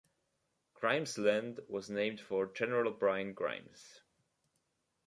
Grimesland was named for General Bryan Grimes.